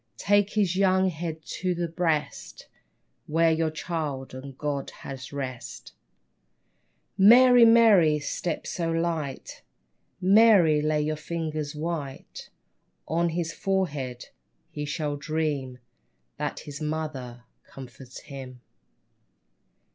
Take his young head to the breast Where your Child and God had rest, Mary, Mary, step so light. Mary, lay your fingers white On his forehead ! He shall dream That his mother comforts him.